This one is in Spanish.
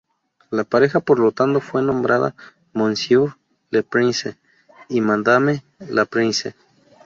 La pareja por lo tanto fue nombrada "Monsieur le Prince" y "Madame la Princesse".